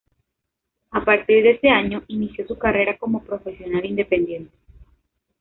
A partir de ese año, inició su carrera como profesional independiente.